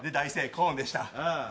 コーンでした。